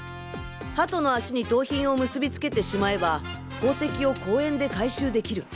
ハトの足に盗品を結びつけてしまえば宝石を公園で回収できる。